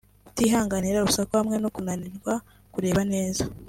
kutihanganira urusaku hamwe no kunanirwa kureba neza